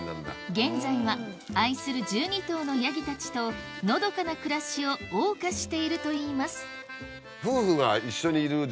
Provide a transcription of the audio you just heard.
現在は愛する１２頭のヤギたちとのどかな暮らしを謳歌しているといいます